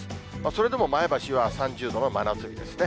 それでも前橋は３０度の真夏日ですね。